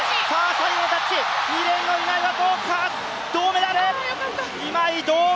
最後タッチ、２レーンの今井は銅メダル！